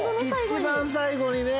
一番最後にね。